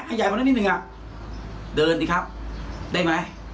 ให้ใหญ่มานิดนึงอะเดินดิครับได้ไหม